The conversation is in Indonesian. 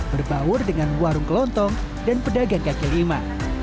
berbaur dengan warung kelontong dan pedagang kaki lima